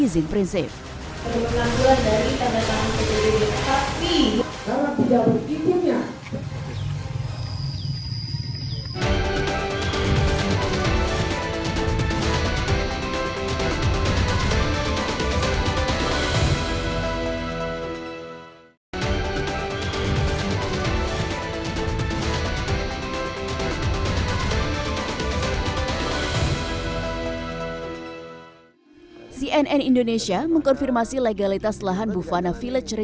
izin prinsip pt sukses indonesia anugrah property telah habis masa berikutnya